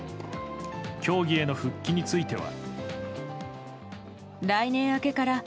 競技への復帰については。